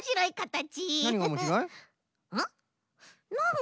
ん？